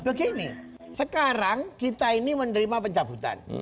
begini sekarang kita ini menerima pencabutan